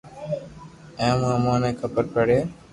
ھين اي مون امون ني خبر پڙي ھي